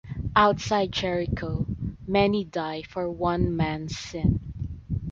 Outside Jericho, many die for one man’s sin.